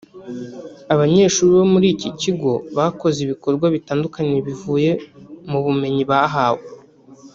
Abanyeshuri bo muri iki kigo bakoze ibikorwa bitandukanye bivuye mu bumenyi bahawe